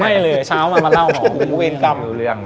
ไม่เลยเช้ามันเล่าหอม